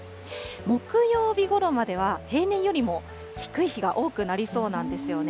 木曜日ごろまでは、平年よりも低い日が多くなりそうなんですよね。